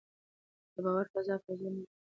د باور فضا په زور نه جوړېږي